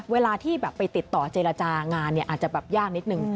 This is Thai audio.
เวลาที่แบบไปติดต่อเจรจางานเนี่ยอาจจะแบบยากนิดนึง